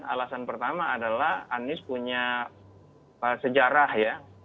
alasan pertama adalah anies punya sejarah ya